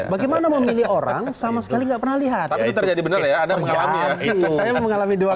bagaimana memilih orang sama sekali enggak pernah lihat terjadi bener ya mengalami dua